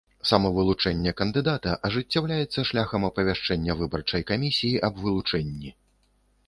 Самавылучэнне кандыдата ажыццяўляецца шляхам апавяшчэння выбарчай камісіі аб вылучэнні.